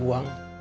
bukan mau dijual